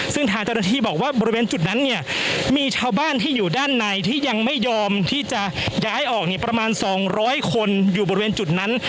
ซึ่งทางเจ้าหน้าที่บอกว่าบริเวณจุดนั้นเนี่ยมีชาวบ้านที่อยู่ด้านในที่ยังไม่ยอมที่จะย้ายออกเนี่ยประมาณ๒๐๐คนอยู่บริเวณจุดนั้น